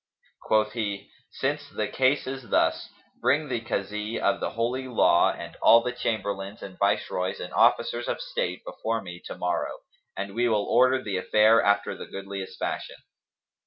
Quoth he, "Since the case is thus, bring the Kazi of the Holy Law and all the Chamberlains and Viceroys and Officers of state before me to morrow, and we will order the affair after the goodliest fashion."